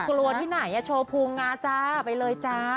กลัวที่ไหนโชว์ภูมิงาจ้าไปเลยจ้า